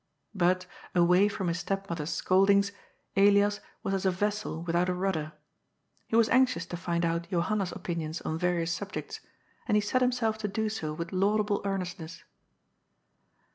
But, away from his stepmother's scoldings, Elias was as a vessel with out a rudder. He was anxious to find out Johanna's opinions on various subjects, and he set himself to do so with laudable earnestness.